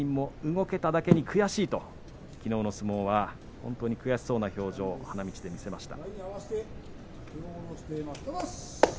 本人も動けただけに悔しいときのうの相撲は本当に悔しそうな表情を花道で見せました。